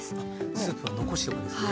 スープは残しておくんですね。